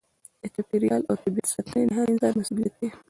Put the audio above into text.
د چاپیریال او طبیعت ساتنه د هر انسان مسؤلیت دی.